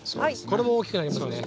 これも大きくなりますよね。